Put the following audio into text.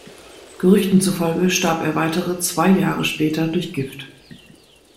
Gerüchten zufolge starb er weitere zwei Jahre später durch Gift.